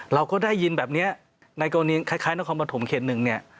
เราก็ได้ยินแบบนี้ในกรณีคล้ายของความประถมเขตหนึ่ง